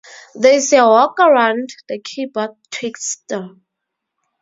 There is a workaround, the Keyboard Twister.